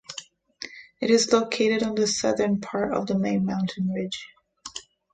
It is located on the southern part of the main mountain ridge.